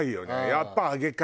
やっぱ揚げか。